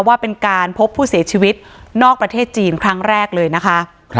ว่าเป็นการพบผู้เสียชีวิตนอกประเทศจีนครั้งแรกเลยนะคะ